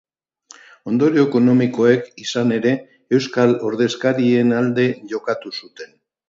Ondorio ekonomikoek, izan ere, euskal ordezkarien alde jokatu zuten.